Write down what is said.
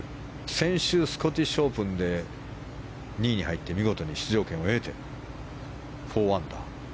先週、スコティッシュオープンで２位に入って見事に出場権を得て４アンダー。